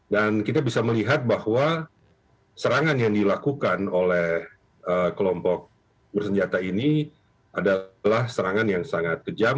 dan kita bisa melihat bahwa serangan yang dilakukan oleh kelompok bersenjata ini adalah serangan yang sangat kejam